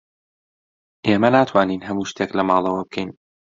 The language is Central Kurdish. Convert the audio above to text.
ئێمە ناتوانین هەموو شتێک لە ماڵەوە بکەین.